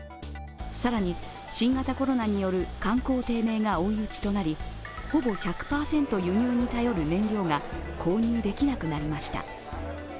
更に新型コロナによる観光低迷が追い打ちとなり、ほぼ１００％輸入に頼る燃料が購入できなくなりました。